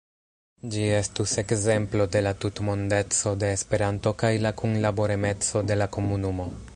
Ĝi estus ekzemplo de la tutmondeco de Esperanto kaj la kunlaboremeco de la komunumo.